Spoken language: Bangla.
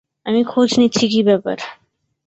আমি খোঁজ নিচ্ছি কী ব্যাপার।